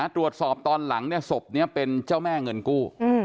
ตอนหลังศพนี้เป็นเจ้าแม่เงินกู้